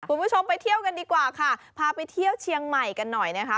คุณผู้ชมไปเที่ยวกันดีกว่าค่ะพาไปเที่ยวเชียงใหม่กันหน่อยนะคะ